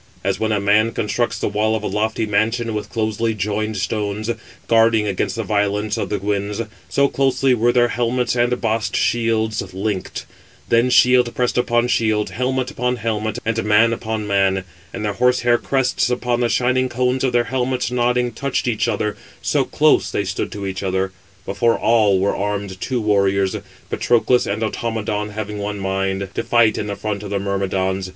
As when a man constructs the wall of a lofty mansion with closely joined stones, guarding against the violence of the winds, so closely were their helmets and bossed shields linked: then shield pressed upon shield, helmet upon helmet, and man upon man; and the horse hair crests upon the shining cones of [their helmets] nodding, touched each other; so close stood they to each other. Before all were armed two warriors. Patroclus and Automedon, having one mind, to fight in the front of the Myrmidons.